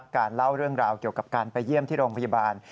เล่าเรื่องราวเกี่ยวกับการไปเยี่ยมที่โรงพยาบาล